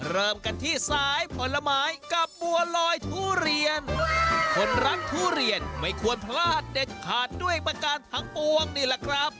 เริ่มกันที่สายผลไม้กับบัวลอยทุเรียนคนรักทุเรียนไม่ควรพลาดเด็ดขาดด้วยประการทั้งปวงนี่แหละครับ